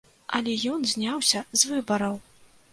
Але ён зняўся з выбараў!